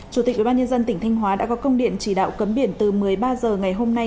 chủ tịch ubnd tỉnh thanh hóa đã có công điện chỉ đạo cấm biển từ một mươi ba h ngày hôm nay